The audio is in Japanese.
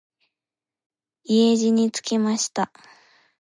家路につきました。